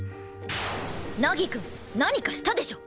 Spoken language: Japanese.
凪くん何かしたでしょ？